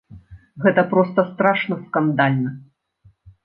Гэта проста страшна скандальна!